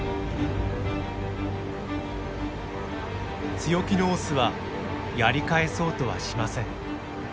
強気のオスはやり返そうとはしません。